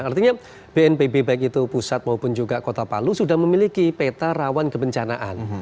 artinya bnpb baik itu pusat maupun juga kota palu sudah memiliki peta rawan kebencanaan